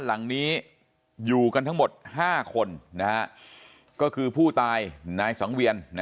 หลังนี้อยู่กันทั้งหมด๕คนก็คือผู้ตายนายสังเวียน